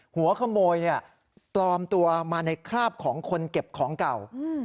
หัวขโมยเนี่ยปลอมตัวมาในคราบของคนเก็บของเก่า